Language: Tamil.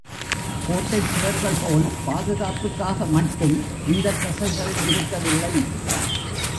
கோட்டைச் சுவர்கள் போல் பாதுகாப்புக்காக மட்டும் இந்தத்தசைகள் இருக்கவில்லை.